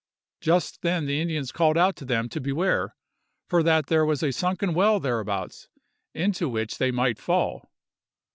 Just then the Indians called out to them to beware, for that there was a sunken well thereabouts, into which they might fall.